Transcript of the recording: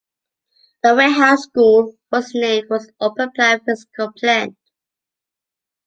The Warehouse School was named for its open-plan physical plant.